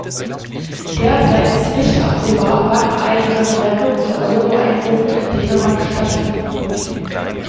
Derzeit ist nicht absehbar, wann ein Referendum zur Euroeinführung in Dänemark stattfinden wird.